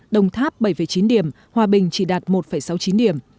đồng tháp bảy chín điểm hòa bình chỉ đạt một sáu mươi chín điểm